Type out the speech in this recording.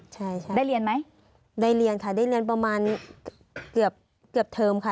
ใช่ค่ะได้เรียนไหมได้เรียนค่ะได้เรียนประมาณเกือบเกือบเทอมค่ะ